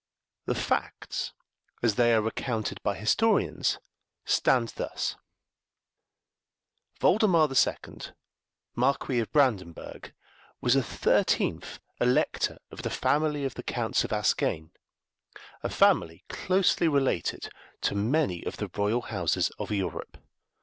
The facts, as they are recounted by historians, stand thus: Voldemar the Second, Marquis of Brandenburg, was the thirteenth Elector of the family of the Counts of Ascagne, a family closely related to many of the royal houses of Europe.